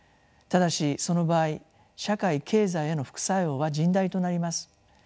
ただしその場合社会経済への副作用は甚大となります。